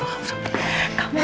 makasih mak makasih pak